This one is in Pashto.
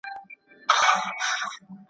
پر هر پانوس چي بوراګانو وو مقام نیولی ,